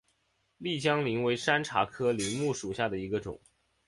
丽江柃为山茶科柃木属下的一个种。